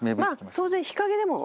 まあ当然日陰でも。